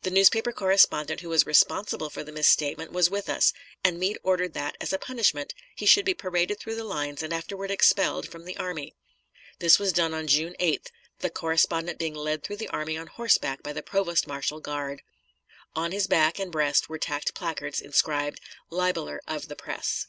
The newspaper correspondent who was responsible for the misstatement was with us, and Meade ordered that, as a punishment, he should be paraded through the lines and afterward expelled from the army. This was done on June 8th, the correspondent being led through the army on horseback by the provost marshal guard. On his back and breast were tacked placards inscribed, "Libeller of the Press."